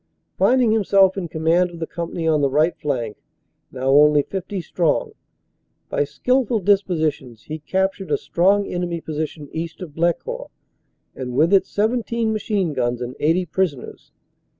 Finding himself in command of the company on the right flank, now only 50 strong, by skilful dispositions he captured a strong enemy position east of Blecourt, and with it 17 machine guns and 80 prisoners.